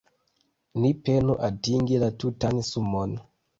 Ni penu atingi la tutan sumon.